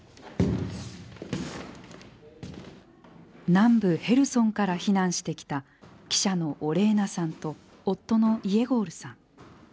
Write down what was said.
南部ヘルソンから避難してきた記者のオレーナさんと夫のイェゴールさん。